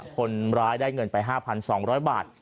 คนร้ายได้เงินไป๕๒๐๐บาท